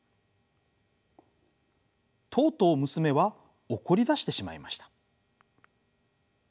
とうとう娘は怒りだしてしまいました。